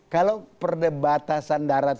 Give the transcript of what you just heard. kalau perbatasan darat